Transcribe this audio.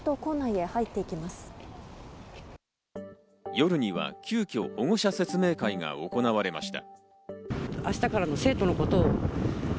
夜には急きょ保護者説明会が行われました。